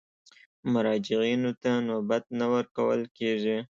مراجعینو ته نوبت نه ورکول کېږي.